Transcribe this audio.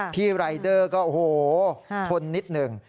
รายเดอร์ก็โอ้โหทนนิดหนึ่ง